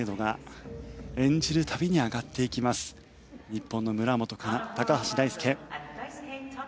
日本の村元哉中高橋大輔。